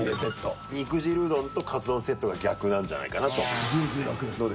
肉汁うどんとかつ丼セットが逆なんじゃないかなと思いますけどね。